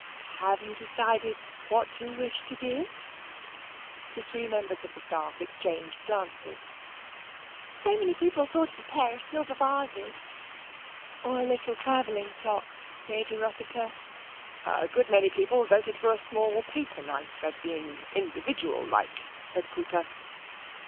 " Have you decided what you wish to give ?" The three members of the staff exchanged glances. " So many people thought of a pair of silver vases." " Or a little travelling clock. Lady Rossiter." *' A good many voted for a small paper knife, as being individual, like," said Cooper.